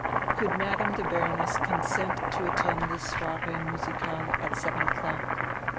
Could Madame die Baroness consent to attend diis soiree musi cale, at seven o'clock?